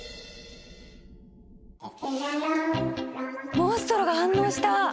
モンストロが反応した！